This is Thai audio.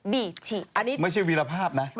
บีทีไม่ใช่วีรภาพนะ